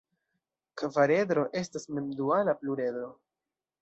Kvaredro estas mem-duala pluredro.